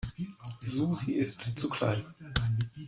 Susi ist zu klein.